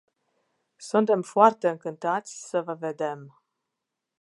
Suntem foarte încântați să vă vedem.